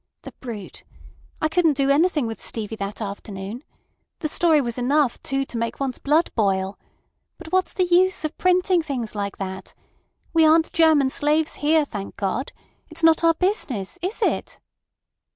The brute! I couldn't do anything with Stevie that afternoon. The story was enough, too, to make one's blood boil. But what's the use of printing things like that? We aren't German slaves here, thank God. It's not our business—is it?"